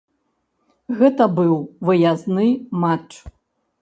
Гэта быў выязны матч.